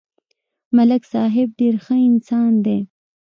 ملک صاحب ډېر ښه انسان دی